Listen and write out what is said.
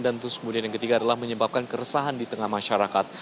dan terus kemudian yang ketiga adalah menyebabkan keresahan di tengah masyarakat